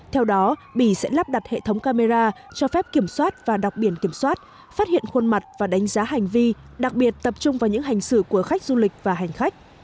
theo đó bỉ sẽ lắp đặt hệ thống camera cho phép kiểm soát và đọc biển kiểm soát phát hiện khuôn mặt và đánh giá hành vi đặc biệt tập trung vào những hành xử của khách du lịch và hành khách